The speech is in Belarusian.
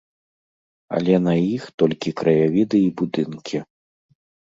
Але на іх толькі краявіды і будынкі.